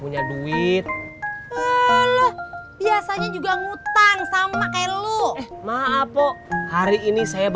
wah hebat lu min